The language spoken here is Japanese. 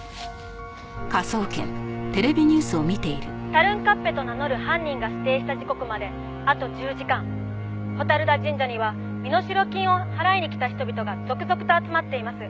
「タルンカッペと名乗る犯人が指定した時刻まであと１０時間」「蛍田神社には身代金を払いに来た人々が続々と集まっています。